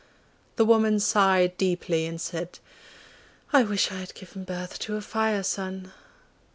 The woman sighed deeply and said, 'I wish I had given birth to a Fire son!